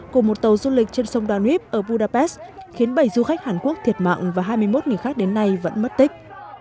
của một tàu du lịch trên sông doneteb ở budapest khiến bảy du khách hàn quốc thiệt mạng và hai mươi một người khác đến nay vẫn mất tích